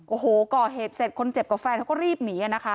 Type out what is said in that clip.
โอ้โหก่อเหตุเสร็จคนเจ็บกับแฟนเขาก็รีบหนีนะคะ